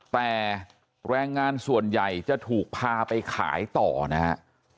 แต่แรงงานส่วนใหญ่จะถูกพาไปขายต่อนะฮะ